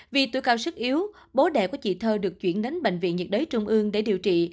vì tuổi cao sức yếu bố đẻ của chị thơ được chuyển đến bệnh viện nhiệt đới trung ương để điều trị